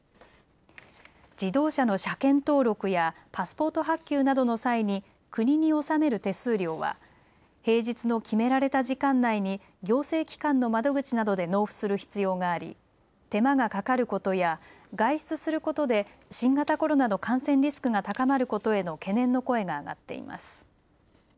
自動車の車検登録やパスポート発給などの際に国に納める手数料は平日の決められた時間内に行政機関の窓口などで納付する必要があり、手間がかかることや外出することで新型コロナの感染リスクが高まることへの懸念の声が上がっています。